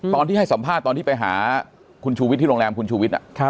ตอนที่ให้สัมภาษณ์ตอนที่ไปหาคุณชูวิทย์ที่โรงแรมคุณชูวิทย์